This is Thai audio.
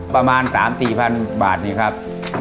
ประมาณสามสี่พันบาทนี่ครับ